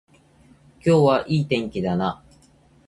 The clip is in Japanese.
今日はいい天気だな